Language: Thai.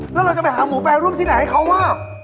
แล้วเราจะไปหาหมูแปรรูปที่ไหนให้เขาว่า